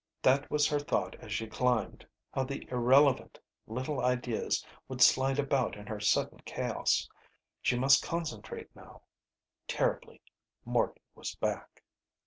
That was her thought as she climbed. How the irrelevant little ideas would slide about in her sudden chaos. She must concentrate now. Terribly. Morton was back.